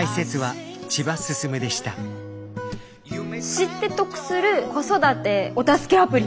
知って得する子育てお助けアプリ。